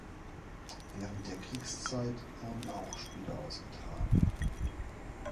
Während der Kriegszeit wurden auch Spiele ausgetragen.